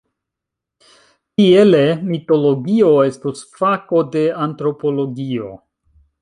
Tiele "mitologio" estus fako de antropologio.